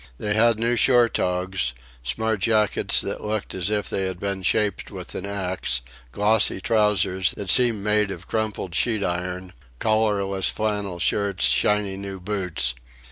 They had new shore togs, smart jackets that looked as if they had been shaped with an axe, glossy trousers that seemed made of crumpled sheet iron, collarless flannel shirts, shiny new boots.